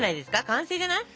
完成じゃない？